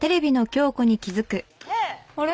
あれ？